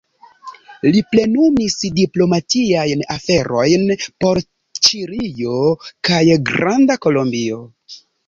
Li plenumis diplomatiajn aferojn por Ĉilio kaj Granda Kolombio.